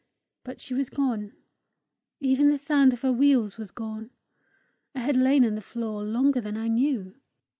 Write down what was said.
But she was gone. Even the sound of her wheels was gone. I had lain on the floor longer than I knew.